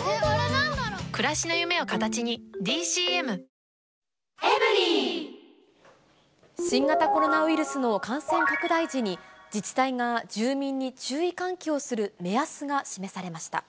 クラフトビール「スプリングバレー」新型コロナウイルスの感染拡大時に、自治体が住民に注意喚起をする目安が示されました。